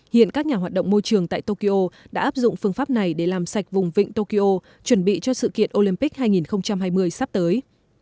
hiện các nhà hoạt động môi trường tại tokyo đã áp dụng phương pháp này để làm sạch vùng vịnh tokyo chuẩn bị cho sự kiện olympic hai nghìn hai mươi sắp tới